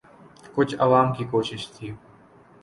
کچھ عوام کی کوشش تھی۔